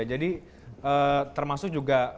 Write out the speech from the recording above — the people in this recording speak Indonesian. jadi termasuk juga